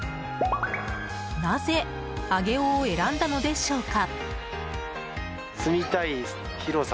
なぜ、上尾を選んだのでしょうか。